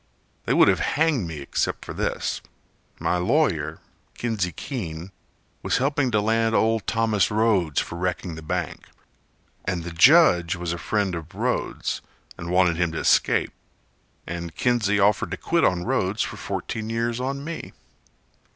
They would have hanged me except for this: My lawyer, Kinsey Keene, was helping to land Old Thomas Rhodes for wrecking the bank, And the judge was a friend of Rhodes And wanted him to escape, And Kinsey offered to quit on Rhodes For fourteen years for me.